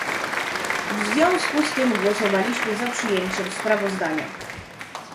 W związku z tym głosowaliśmy za przyjęciem sprawozdania